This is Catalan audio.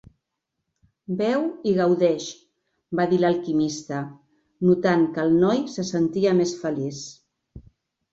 "Beu i gaudeix", va dir l'alquimista, notant que el noi se sentia més feliç.